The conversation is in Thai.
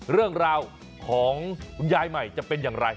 เรื่องราวของคุณยายใหม่จะเป็นอย่างไร